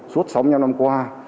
suốt sáu mươi năm năm qua